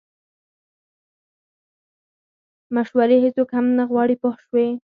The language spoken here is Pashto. مشورې هیڅوک هم نه غواړي پوه شوې!.